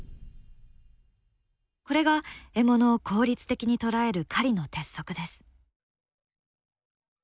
これが獲物を効率的に捕らえる狩りの鉄則です。